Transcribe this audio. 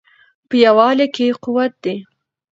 په یووالي کې قوت دی.